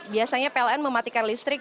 biasanya pln mematikan listrik